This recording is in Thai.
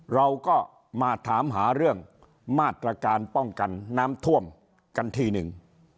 เราก็มาถามหาเรื่องมาตรการป้องกันน้ำท่วมกันทีหนึ่ง